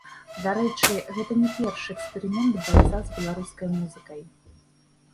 Дарэчы, гэта не першы эксперымент байца з беларускай музыкай.